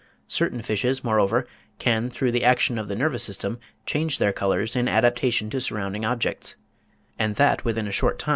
Certain fishes, moreover, can through the action of the nervous system change their colours in adaptation to surrounding objects, and that within a short time.